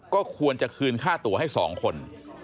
ก็ควรจะคืนค่าตัวให้๒คน